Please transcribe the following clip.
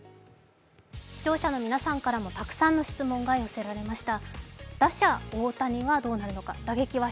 視聴者の皆さんからもたくさんの質問が寄せられました。